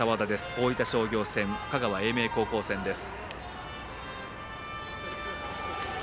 大分商業戦香川・英明高校戦です。